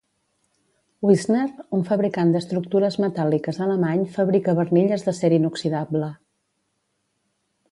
Wissner, un fabricant d'estructures metàl·liques alemany fabrica barnilles d'acer inoxidable.